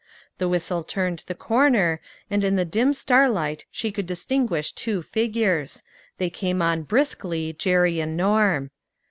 The whistle turned the corner, and in the dim star light she could distinguish .two figures; they came on briskly, Jerry and Norm.